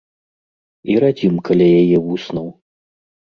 І радзімка ля яе вуснаў.